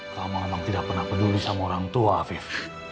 kamu memang tidak pernah peduli sama orang tua afif